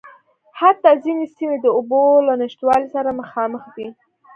حتٰی ځينې سیمې د اوبو له نشتوالي سره مخامخ دي.